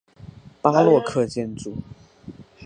巴洛克建筑。